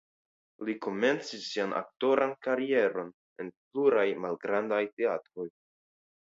Li komencis sian aktoran karieron en pluraj malgrandaj teatroj.